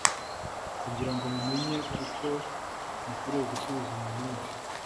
kugira ngo mumenye uko mukwiriye gusubiza umuntu wese